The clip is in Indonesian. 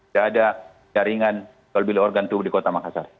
tidak ada jaringan jual beli organ tubuh di kota makassar